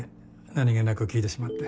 何げなく聞いてしまって。